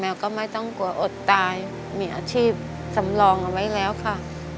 ก็ไม่ต้องกลัวอดตายมีอาชีพสำรองเอาไว้แล้วค่ะ